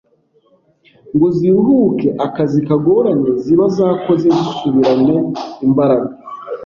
ngo ziruhuke akazi kagoranye ziba zakoze zisubirane imbaraga,